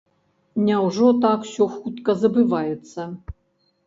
Няўжо так усё хутка забываецца?